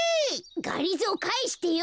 がりぞーかえしてよ。